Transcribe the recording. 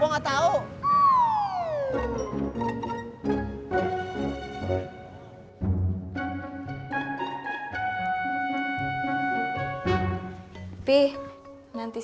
lu nanti siang vigi pengen makan apa ya